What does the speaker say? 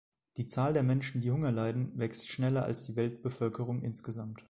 Die Zahl der Menschen, die Hunger leiden, wächst schneller als die Weltbevölkerung insgesamt.